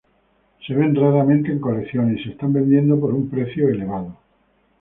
Se ven raramente en colecciones y se están vendiendo por un precio elevado.